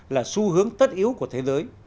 là xu hướng tất yếu của thế giới